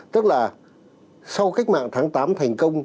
tức là sau cách mạng tháng tám thành công